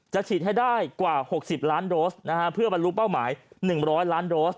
ฉีดให้ได้กว่า๖๐ล้านโดสเพื่อบรรลุเป้าหมาย๑๐๐ล้านโดส